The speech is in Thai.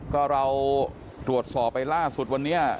ก็เราตรวจสอบไปล่าสุดวันนี้